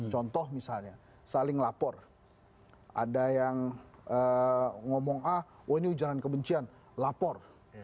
contoh misalnya saling lapor ada yang ngomong ah oh ini ujaran kebencian lapor